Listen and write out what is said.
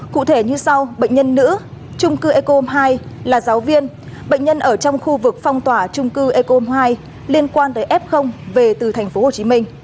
cụ thể như sau bệnh nhân nữ trung cư eco home hai là giáo viên bệnh nhân ở trong khu vực phong tỏa trung cư eco home hai liên quan tới f về từ tp hcm